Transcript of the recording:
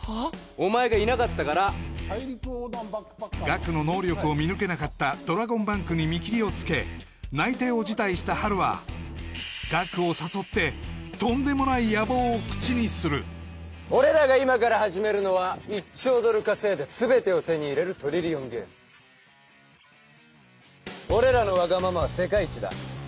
お前がいなかったからガクの能力を見抜けなかったドラゴンバンクに見切りをつけ内定を辞退したハルはガクを誘ってとんでもない野望を口にする俺らが今から始めるのは１兆ドル稼いで全てを手に入れるトリリオンゲーム俺らのワガママは世界一だ